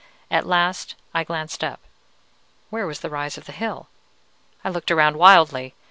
At last I glanced up. Where was the rise of hill? I looked around wildly.